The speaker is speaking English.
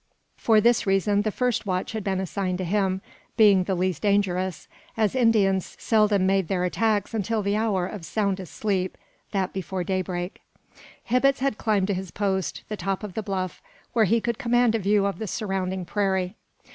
For this reason the first watch had been assigned to him, being the least dangerous, as Indians seldom made their attacks until the hour of soundest sleep that before daybreak. Hibbets had climbed to his post, the top of the bluff, where he could command a view of the surrounding prairie.